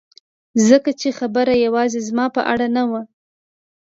ځکه چې خبره یوازې زما په اړه نه وه